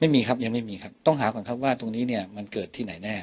ไม่มีครับยังไม่มีครับต้องหาก่อนครับว่าตรงนี้เนี่ยมันเกิดที่ไหนแน่